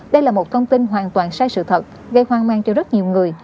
đây là một thông tin hoàn toàn sai sự thật gây hoang mang cho rất nhiều người